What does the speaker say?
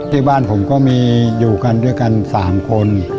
ที่บ้านผมก็มีอยู่กันด้วยกัน๓คน